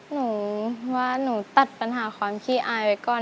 หนูว่าหนูตัดปัญหาความขี้อายไว้ก่อน